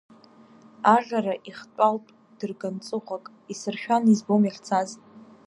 Аӷьара ихтәалт дырганҵыхәак, исыршәан, избом иахьцаз.